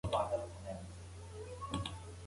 پلار د ماشومانو د اخلاقو ښودنه کوي.